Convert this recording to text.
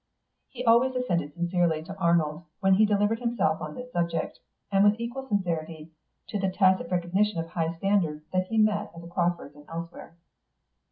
He always assented sincerely to Arnold when he delivered himself on this subject, and with equal sincerity to the tacit recognition of high standards that he met at the Crawfords' and elsewhere.